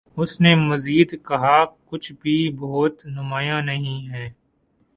اس نے مزید کہا کچھ بھِی بہت نُمایاں نہیں ہے